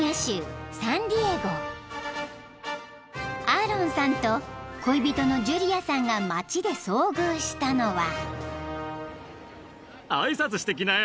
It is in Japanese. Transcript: ［アーロンさんと恋人のジュリアさんが街で遭遇したのは］